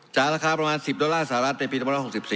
ราคาประมาณ๑๐ดอลลาร์สหรัฐในปี๑๖๔